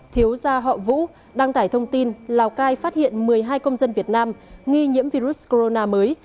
thiếu gia họ vũ đăng tải thông tin lào cai phát hiện một mươi hai công dân việt nam nghi nhiễm virus corona mới